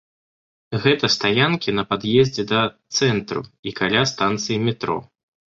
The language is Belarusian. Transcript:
Гэта стаянкі на пад'ездзе да цэнтру і каля станцый метро.